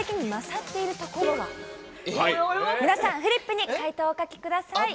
皆さんフリップに回答をお書きください。